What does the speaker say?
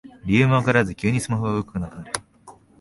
理由もわからず急にスマホが動かなくなる